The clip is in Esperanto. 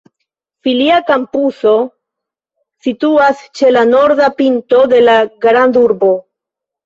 Filia kampuso situas ĉe la norda pinto de la grandurbo.